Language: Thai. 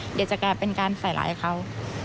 เดี๋ยวจะกลายเป็นการใส่ร้ายเขา